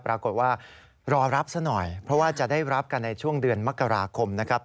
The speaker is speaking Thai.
ปรากฏว่ารอรับซะหน่อยเพราะว่าจะได้รับกันในช่วงเดือนมกราคมนะครับ